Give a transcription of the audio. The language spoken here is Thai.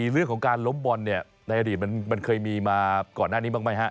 เรื่องของการล้มบอลเนี่ยอย่างมันนานที่เขามีมาก่อนหน้านี้บ้างไหมฮะ